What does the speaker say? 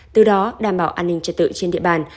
từ đó đảm bảo an ninh trật tự trên địa bàn